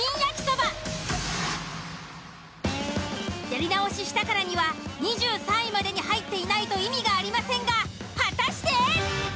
やり直ししたからには２３位までに入っていないと意味がありませんが果たして！？